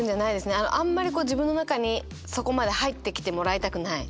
あんまり自分の中にそこまで入ってきてもらいたくない。